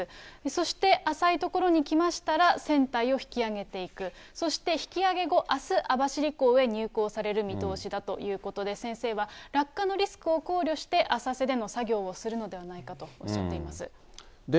そして浅い所に来ましたら、船体を引き揚げていく、そして引き揚げ後、あす網走港へ入港される見通しだということで、先生は落下のリスクを考慮して、浅瀬での作業をするのではないかとおっしゃっています。